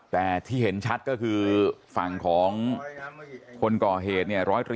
แต่ที่เห็นชัดก็คือฝั่งของคนก่อเหตุเนี่ย